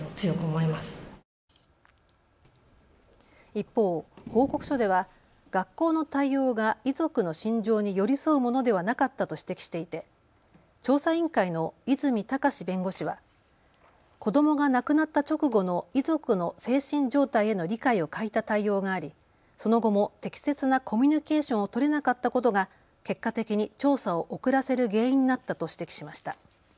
一方、報告書では学校の対応が遺族の心情に寄り添うものではなかったと指摘していて調査委員会の和泉貴士弁護士は子どもが亡くなった直後の遺族の精神状態への理解を欠いた対応がありその後も適切なコミュニケーションを取れなかったことが結果的に調査を遅らせる原因になったと指摘しました。